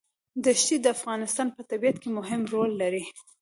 دښتې د افغانستان په طبیعت کې مهم رول لري.